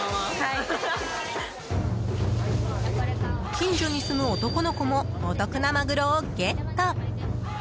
近所に住む男の子もお得なマグロをゲット。